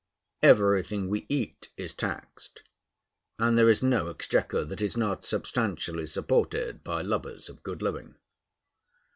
Everything we eat is taxed, and there is no exchequer that is not substantially supported by lovers of good living.